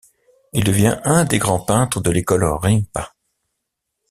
Il devient un des grands peintres de l'école Rimpa.